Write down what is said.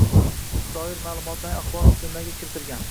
doir ma’lumotlarning axborot tizimlariga kiritilgan;